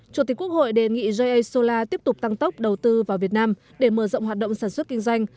chủ tịch quốc hội đề nghị jee solar tiếp tục tăng tốc đầu tư vào việt nam để mở rộng hoạt động sản xuất kinh doanh